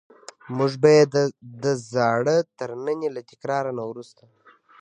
موږ به یې د زاړه ترننی له تکرار نه وروسته.